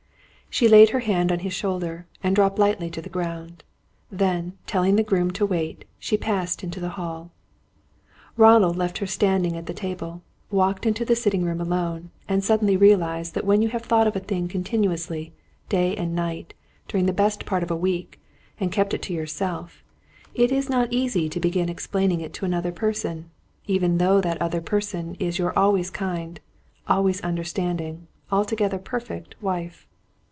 She laid her hand on his shoulder, and dropped lightly to the ground. Then, telling the groom to wait, she passed into the hall. Ronald left her standing at the table, walked into the sitting room alone, and suddenly realised that when you have thought of a thing continuously, day and night, during the best part of a week, and kept it to yourself, it is not easy to begin explaining it to another person even though that other person be your always kind, always understanding, altogether perfect wife!